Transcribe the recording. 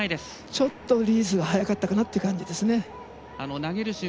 ちょっとリリース早かったかなという感じですね。